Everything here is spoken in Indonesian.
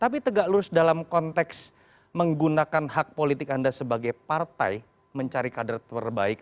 tapi tegak lurus dalam konteks menggunakan hak politik anda sebagai partai mencari kader terbaik